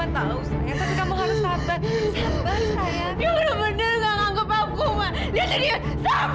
ya tuhan dia tidak melewati hati menjadi orang untuk menurunkan hidup